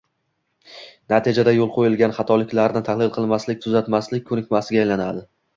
Natijada, yo‘l qo‘yilgan xatolarni tahlil qilmaslik, tuzatmaslik ko‘nikmaga aylanadi.